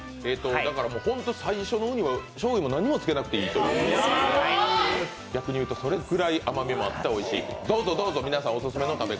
最初のうにはしょうゆも何もつけなくていいという逆にいうとそれぐらい甘みもあっておいしい。